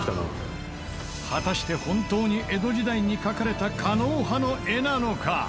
果たして本当に江戸時代に描かれた狩野派の絵なのか？